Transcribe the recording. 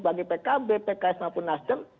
bagi pkb pks maupun nasdem